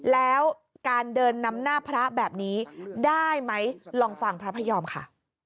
แล้วการเดินนำหน้าพระแบบนี้ได้ไหมลองฟังพระพยอมค่ะ